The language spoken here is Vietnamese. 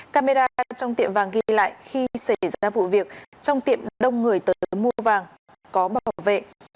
camera trong tiệm vàng ghi lại khi xảy ra vụ việc trong tiệm đông người tới mua vàng có bảo vệ